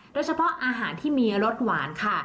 โดยเฉพาะอาหารที่มีรสหวานค่ะ